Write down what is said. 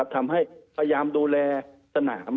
ทำให้พยายามดูแลสนาม